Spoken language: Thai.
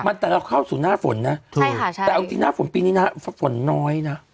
มันแต่เราเข้าสู่หน้าฝนนะถูกใช่แต่เอาจริงหน้าฝนปีนี้นะฝนน้อยนะ